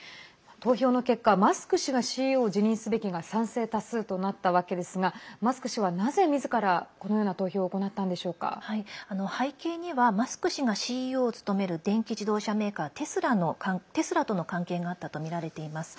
投票の結果マスク氏がＣＥＯを辞任すべきが賛成多数となったわけですがマスク氏は、なぜみずから、このような背景には、マスク氏がＣＥＯを務める電気自動車メーカーテスラとの関係があったとみられています。